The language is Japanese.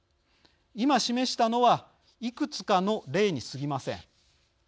今、示したのはいくつかの例にすぎません。